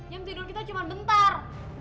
yang tidur kita cuma bentar